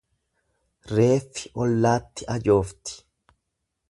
Reeffi ollaatti ajoofti.